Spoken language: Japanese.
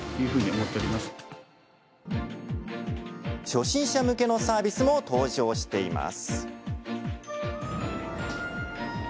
初心者向けのサービスも登場しています。